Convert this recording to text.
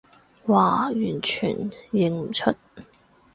嘩，完全認唔出